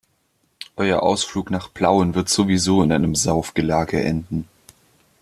Euer Ausflug nach Plauen wird sowieso in einem Saufgelage enden.